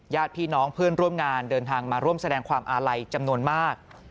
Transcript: ญาติพี่น้องเพื่อนร่วมงานเดินทางมาร่วมแสดงความอาลัยจำนวนมาก